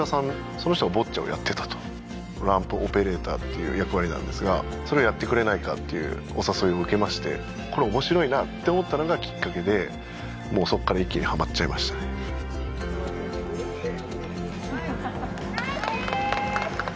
その人がボッチャをやってたとランプオペレーターっていう役割なんですがそれをやってくれないかっていうお誘いを受けましてこれ面白いなって思ったのがきっかけでもうそっから一気にはまっちゃいましたね・ナイスー！